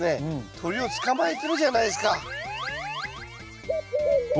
鳥を捕まえてるじゃないですか。